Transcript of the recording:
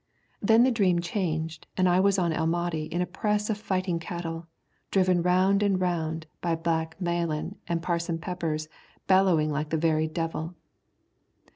Then the dream changed, and I was on El Mahdi in a press of fighting cattle, driven round and round by black Malan and Parson Peppers bellowing like the very devil.